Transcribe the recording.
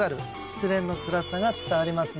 失恋のつらさが伝わりますね。